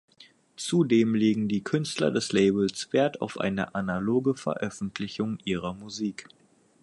Zudem legen die Künstler des Labels Wert auf eine analoge Veröffentlichung ihrer Musik.